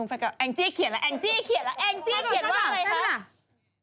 แองจี้เขียนแล้วแองจี้เขียนแล้วแองจี้เขียนว่าอะไรคะ